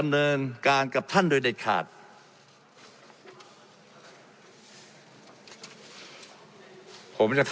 และมีผลกระทบไปทุกสาขาอาชีพชาติ